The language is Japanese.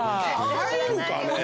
入るかね？